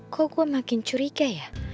kok gue makin curiga ya